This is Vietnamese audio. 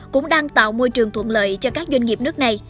để tăng tạo môi trường thuận lợi cho các doanh nghiệp nước này